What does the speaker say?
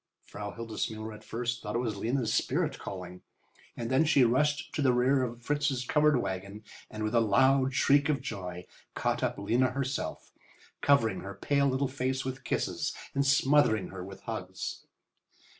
Frau Hildesmuller at first thought it was Lena's spirit calling, and then she rushed to the rear of Fritz's covered wagon, and, with a loud shriek of joy, caught up Lena herself, covering her pale little face with kisses and smothering her with hugs.